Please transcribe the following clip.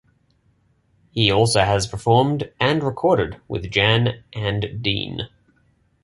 He also has performed and recorded with Jan and Dean.